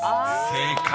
［正解。